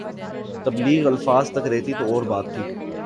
تبلیغ الفاظ تک رہتی تو اور بات تھی۔